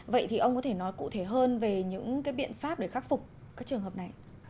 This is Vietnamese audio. vậy thì ông có thể nói cụ thể hơn về những cái biện pháp để khắc phục các trường hợp này